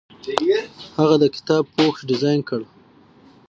هغه د کتاب پوښ ډیزاین کړ.